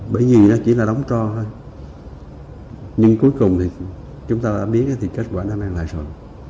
bởi vì nó chỉ là đóng cho thôi nhưng cuối cùng thì chúng ta đã biết thì kết quả đã mang lại rồi